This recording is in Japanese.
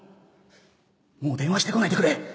もう電話してこないでくれ！